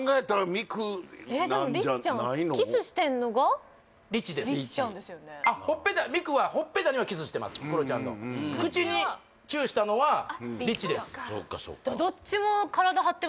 ミクはほっぺたにはキスしてますクロちゃんの口にチューしたのはリチです